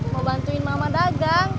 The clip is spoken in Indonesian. mau bantuin mama dagang